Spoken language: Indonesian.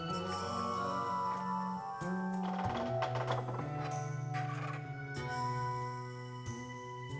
ogoh ogoh posisi nya